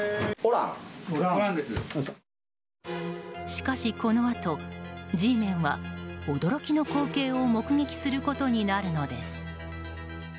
しかし、このあとＧメンは驚きの光景を目撃することになるのです。